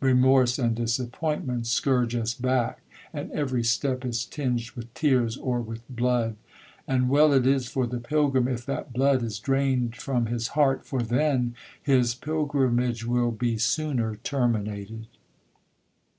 Remorse and disappointment scourge us back, and every step is tinged with tears or with blood; and well it is for the pilgrim if that blood is drained from his heart, for then—his pilgrimage will be sooner terminated.